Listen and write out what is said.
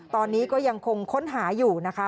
ตอนนี้ก็ยังคงค้นหาอยู่นะคะ